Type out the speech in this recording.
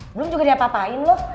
belum juga diapa apain loh